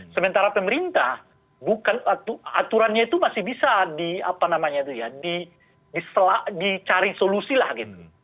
sementara pemerintah aturannya itu masih bisa dicari solusi lah gitu